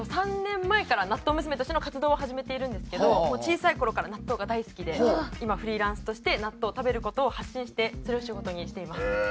３年前からなっとう娘としての活動は始めているんですけど小さい頃から納豆が大好きで今フリーランスとして納豆を食べる事を発信してそれを仕事にしています。